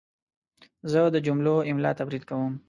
زه د جملو املا تمرین کوم.